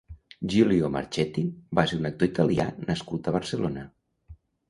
Giulio Marchetti va ser un actor italià nascut a Barcelona.